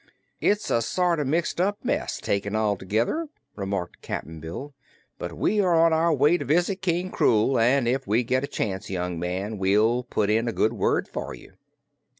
"It's a sort of mixed up mess, taken altogether," remarked Cap'n Bill. "But we are on our way to visit King Krewl, and if we get a chance, young man, we'll put in a good word for you."